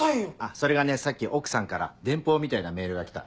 それがねさっき奥さんから電報みたいなメールが来た。